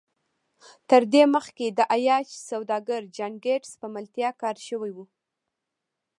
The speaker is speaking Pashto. تر دې مخکې د عیاش سوداګر جان ګیټس په ملتیا کار شوی و